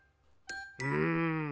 うん。